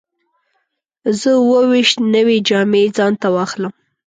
زه اووه ویشت نوې جامې ځان ته واخلم.